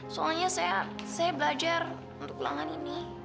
soalnya saya belajar untuk ulangan ini